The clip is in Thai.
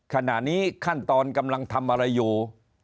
ขณะนี้ขั้นตอนกำลังทำอะไรอยู่